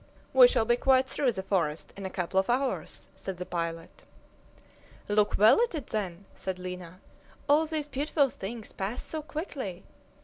"We shall be quite through the forest in a couple of hours," said the pilot. "Look well at it, then!" said Lina. "All these beautiful things pass so quickly!